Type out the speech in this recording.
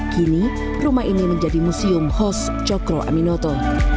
kini rumah ini menjadi museum hos cokro aminoto